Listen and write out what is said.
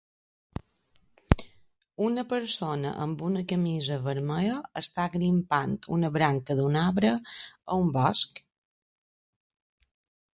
Una persona amb una camisa vermella està grimpant una branca d'un arbre a un bosc.